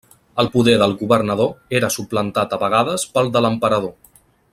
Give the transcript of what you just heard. El poder del governador era suplantat a vegades pel de l'Emperador.